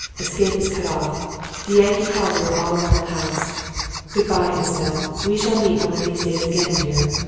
"Escape is cut off. The Yankee cavalry are all round the house. Good by, Isabelle. We shall meet one of these days again, dear."